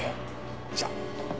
じゃあ。